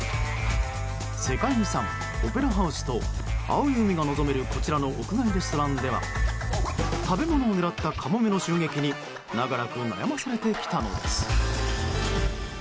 世界遺産オペラハウスと青い海が望めるこちらの屋外レストランでは食べ物を狙ったカモメの襲撃に長らく悩まされてきたのです。